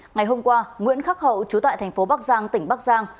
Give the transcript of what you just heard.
ngày hôm qua nguyễn khắc hậu chú tại thành phố bắc giang tỉnh bắc giang